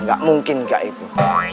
gak mungkin gak itu